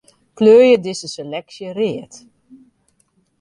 Kleurje dizze seleksje read.